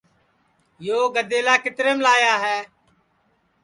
یو گَِدیلا کِتریم لایا ہے